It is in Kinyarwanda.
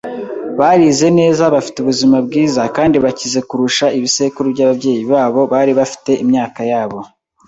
Barize neza, bafite ubuzima bwiza kandi bakize kurusha ibisekuru byababyeyi babo bari bafite imyaka yabo.